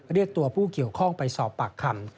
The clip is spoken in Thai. เรียกตัวผู้เกี่ยวข้องไปสอบปากคำ